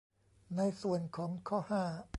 ในส่วนของข้อ ห้า